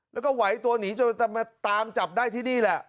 แล้วก็ไหวตัวหนีจนมาตามจับได้ที่นี่แหละ